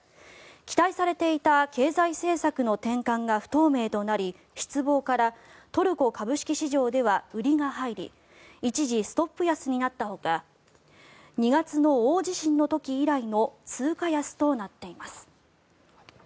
期待されていた経済政策の転換が不透明となり失望からトルコ株式市場では売りが入り一時、ストップ安になったほか２月の大地震の時以来の通貨安となっています。